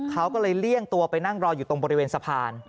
เขาก็เลยเลี่ยงตัวไปนั่งรออยู่ตรงบริเวณสะพาน